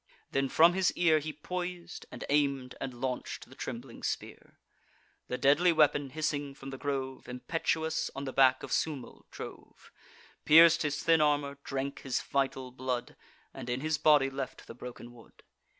Then from his ear He pois'd, and aim'd, and launch'd the trembling spear. The deadly weapon, hissing from the grove, Impetuous on the back of Sulmo drove; Pierc'd his thin armour, drank his vital blood, And in his body left the broken wood.